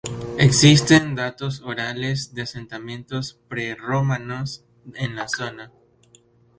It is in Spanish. Existen datos orales de asentamientos prerromanos en la zona.